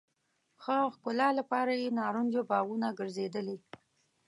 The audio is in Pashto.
ښه ښکلا لپاره یې نارنجو باغونه ګرځېدلي.